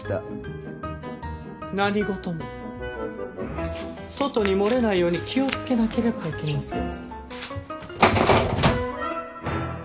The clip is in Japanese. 何事も外に漏れないように気をつけなければいけません。